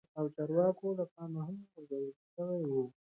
او چارواکو له پا مه هم غور ځول شوي وه